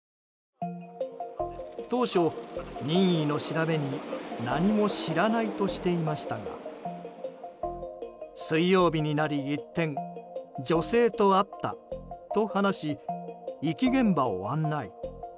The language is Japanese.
当初、任意の調べに何も知らないとしていましたが水曜日になり一転女性と会ったと話し遺棄現場を案内。